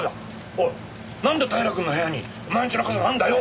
おいなんで平くんの部屋にお前んちの傘があるんだよ！